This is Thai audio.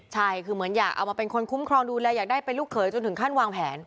ใช่คือเหมือนอยากเอามาเป็นคนคุ้มครองดูแลอยากได้เป็นลูกเขยจนถึงขั้นวางแผน